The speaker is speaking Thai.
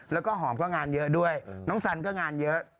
แล้วก็หอมก็งานเยอะด้วยน้องสันก็งานเยอะ